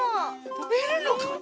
とべるのかな？